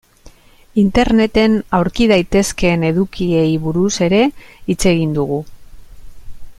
Interneten aurki daitezkeen edukiei buruz ere hitz egin dugu.